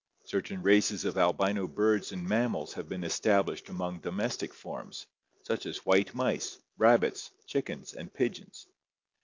Certain races of albino birds and mammals have been es tablished among domestic forms, such as white mice, rabbits, chickens, and pigeons.